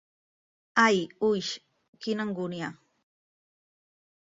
Ai, uix, quina angúnia!